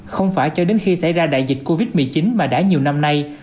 không phải cho đến khi xảy ra đại dịch covid một mươi chín mà đã nhiều năm nay